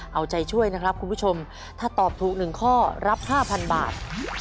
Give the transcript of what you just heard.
เอาใจช่วยนะครับคุณผู้ชมถ้าตอบถูก๑ข้อรับ๕๐๐บาท